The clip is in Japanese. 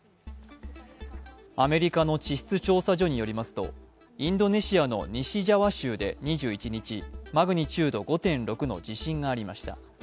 アメリカの地質調査所によりますとインドネシアの西ジャワ州で２１日マグニチュード５．６の地震がありました。